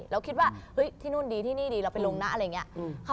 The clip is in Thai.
เราคิดว่าที่นู่นดีที่นี่ดีเราไปลงนะ